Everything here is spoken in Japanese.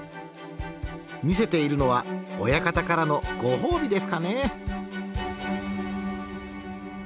見せているのは親方からのご褒美ですかね？